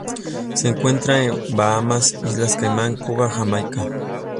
Se encuentra en Bahamas, Islas Caimán, Cuba y Jamaica.